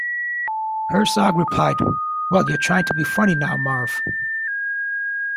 Herzog replied, Well, you're trying to be funny now, Marv.